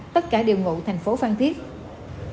tất cả đều nhận được bản tin nhé